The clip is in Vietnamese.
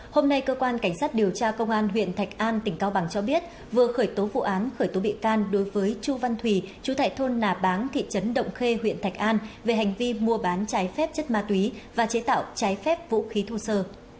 hôm nay cơ quan cảnh sát điều tra công an huyện thạch an tỉnh cao bằng cho biết vừa khởi tố vụ án khởi tố bị can đối với chu văn thùy chú tại thôn nà báng thị trấn động khê huyện thạch an về hành vi mua bán trái phép chất ma túy và chế tạo trái phép vũ khí thô sơ